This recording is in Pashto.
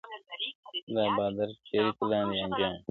د بادار تر چړې لاندي یې انجام وي.